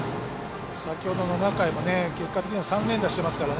先ほども結果的には３連打してますからね。